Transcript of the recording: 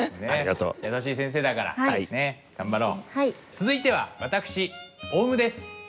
続いては私オウムです。